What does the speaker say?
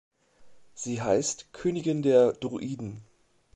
Sie heißt "Königin der Druiden".